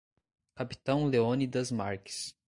Capitão Leônidas Marques